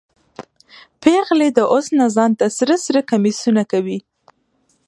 پیغلې د اوس نه ځان ته سره سره کمیسونه کوي